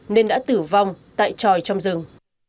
nên đã tử vong tại tròi trong rừng